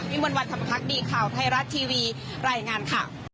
มิมวันวันคำคับคลักษณ์ดีข่าวไทยรัฐทีวีรายงานข่าว